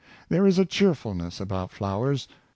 There is a cheerfulness about flowers.